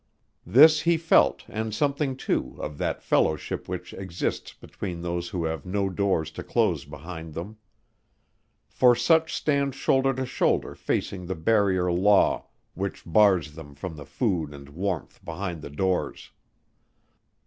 This he felt, and something, too, of that fellowship which exists between those who have no doors to close behind them. For such stand shoulder to shoulder facing the barrier Law, which bars them from the food and warmth behind the doors.